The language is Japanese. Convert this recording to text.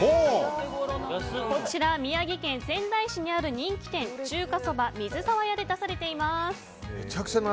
こちら宮城県仙台市にある人気店中華そばみずさわ屋で出されています。